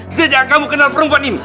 sejak kamu kenal perempuan ini